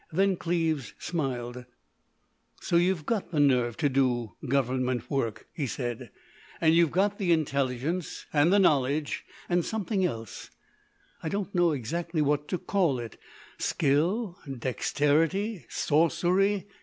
Then Cleves smiled: "So you've got the nerve to do Government work," he said, "and you've got the intelligence, and the knowledge, and something else—I don't know exactly what to call it—Skill? Dexterity? Sorcery?"